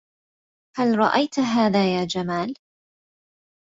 هل رأيت هذا يا جمال؟